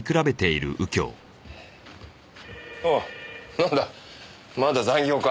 なんだまだ残業か？